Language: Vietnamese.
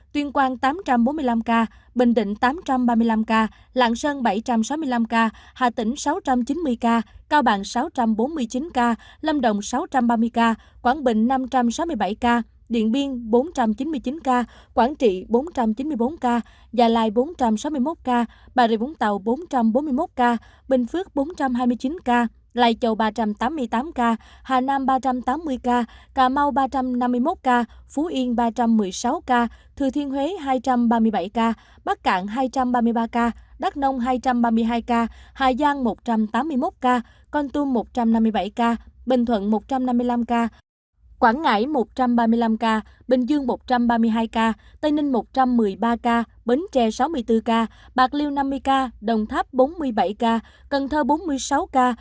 tuyên quang tám trăm bốn mươi năm ca bình định tám trăm ba mươi năm ca lạng sơn bảy trăm sáu mươi năm ca hà tĩnh sáu trăm chín mươi ca cao bằng sáu trăm bốn mươi chín ca lâm đồng sáu trăm ba mươi ca quảng bình năm trăm sáu mươi bảy ca điện biên bốn trăm chín mươi chín ca quảng trị bốn trăm chín mươi bốn ca già lai bốn trăm sáu mươi một ca bà rịa vũng tàu bốn trăm bốn mươi một ca bình phước bốn trăm hai mươi chín ca lạy chầu ba trăm tám mươi tám ca hà nam ba trăm tám mươi tám ca đà nẵng chín trăm bốn mươi sáu ca tuyên quang tám trăm bốn mươi năm ca bình định tám trăm ba mươi năm ca lạng sơn bảy trăm sáu mươi năm ca hà tĩnh sáu trăm chín mươi ca cao bằng sáu trăm bốn mươi chín ca lâm đồng sáu trăm ba mươi ca quảng bình năm trăm sáu mươi bảy ca đà nẵng chín trăm bốn mươi sáu ca đà nẵng chín trăm bốn mươi sáu ca đà nẵng chín trăm bốn mươi sáu ca